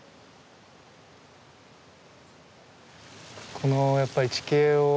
このやっぱり地形を生かして。